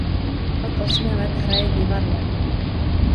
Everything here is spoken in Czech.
Od osmi let hraje divadlo.